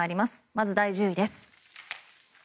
まず、第１０位です。